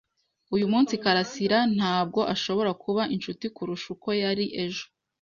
Uyu munsi, karasira ntabwo ashobora kuba inshuti kurusha uko yari ejo.